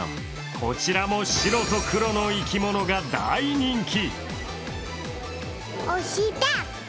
こちらも白と黒の生き物が大人気。